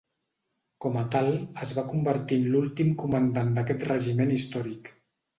Com a tal, es va convertir en l'últim comandant d'aquest regiment històric.